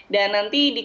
dan nanti dikarenakan